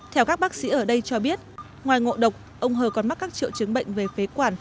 theo các bác sĩ ở đây cho biết ngoài ngộ độc ông hờ còn mắc các triệu chứng bệnh về phế quản